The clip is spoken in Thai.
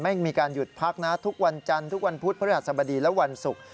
ไม่มีการหยุดพักนะทุกวันจันทร์ทุกวันพุธพฤหัสบดีและวันศุกร์